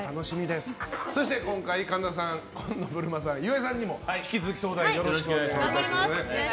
そして今回神田さん、紺野ぶるまさん岩井さんにも引き続き、相談員よろしくお願いします。